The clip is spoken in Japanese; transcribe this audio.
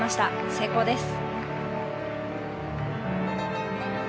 成功です。